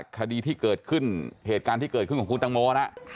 คดีที่เกิดขึ้นเหตุการณ์ที่เกิดขึ้นของคุณตังโมนะ